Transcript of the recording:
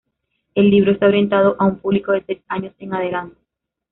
El libro está orientado a un público de seis años en adelante.